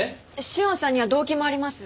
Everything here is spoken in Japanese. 紫苑さんには動機もあります。